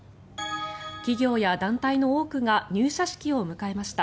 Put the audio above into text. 企業や団体の多くが入社式を迎えました。